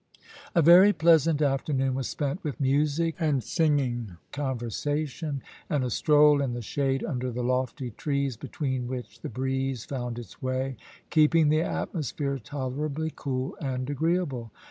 A very pleasant afternoon was spent with music and singing, and conversation, and a stroll in the shade under the lofty trees, between which the breeze found its way, keeping the atmosphere tolerably cool and agreeable.